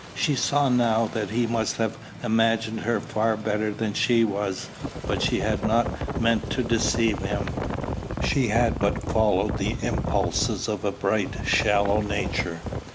She saw now that he must have imagined her far better than she was: but she had not meant to deceive him; she had but followed the impulses of a bright, shallow nature.